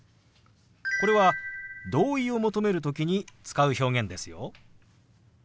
これは同意を求める時に使う表現ですよ。